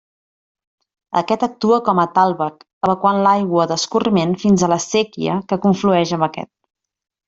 Aquest actua com a tàlveg evacuant l'aigua d'escorriment fins a la séquia que conflueix amb aquest.